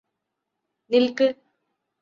നില്ക്ക്